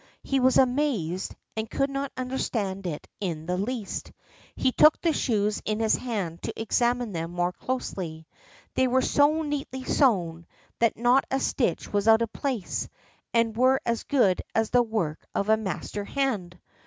He was amazed, and could not understand it in the least. He took the shoes in his hand to examine them more closely. They were so neatly sewn that not a stitch was out of place, and were as good as the work of a master hand.